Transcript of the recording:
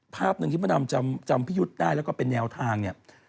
ภาพหนึ่งที่พระดำจำพี่ยุทธ์ได้แล้วก็เป็นแนวทางเนี่ย